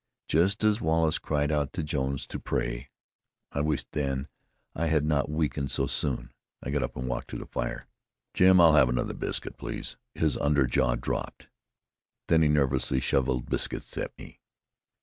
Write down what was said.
Just as Wallace cried out to Jones to pray I wished then I had not weakened so soon I got up and walked to the fire. "Jim, I'll have another biscuit, please." His under jaw dropped, then he nervously shoveled biscuits at me.